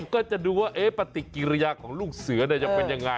ก็จะดูว่าเอ๊ะปฏิกิริยาระยักษ์ของลูกเสือจะมียังไง